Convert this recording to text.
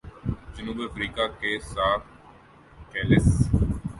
جنوب افریقہ کے ژاک کیلس